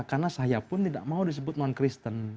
karena saya pun tidak mau disebut non kristen